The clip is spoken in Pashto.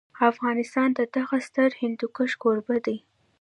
افغانستان د دغه ستر هندوکش کوربه دی.